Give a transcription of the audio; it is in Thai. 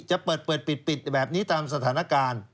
จะเปิดเปิดปิดแบบนี้ตามสถานการณ์